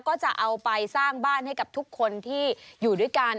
ก็จะเอาไปสร้างบ้านให้กับทุกคนที่อยู่ด้วยกัน